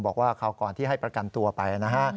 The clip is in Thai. คราวก่อนที่ให้ประกันตัวไปนะฮะ